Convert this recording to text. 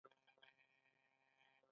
بودیجه په نولس سوه شپږ کې پیل شوه.